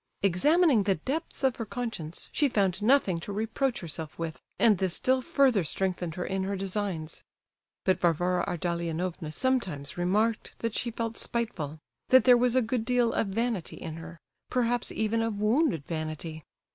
Examining the depths of her conscience, she found nothing to reproach herself with, and this still further strengthened her in her designs. But Varvara Ardalionovna sometimes remarked that she felt spiteful; that there was a good deal of vanity in her, perhaps even of wounded vanity.